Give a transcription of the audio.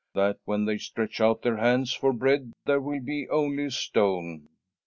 That when they stretch out their hands for bread there will be only a stone."